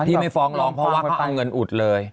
ที่ไม่ฟ้องร้องเพราะว่าไม่ต้องเงินอุดเลย